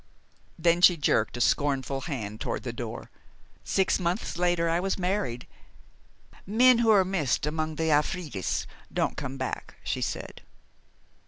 Then she jerked a scornful hand toward the door. "Six months later I was married men who are missed among the Afridis don't come back," she said.